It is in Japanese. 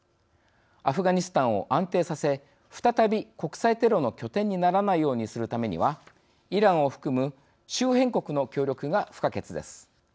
アフガニスタンを安定させ再び国際テロの拠点にならないようにするためにはイランを含む周辺国の協力が不可欠です。